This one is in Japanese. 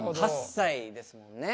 ８歳ですもんね。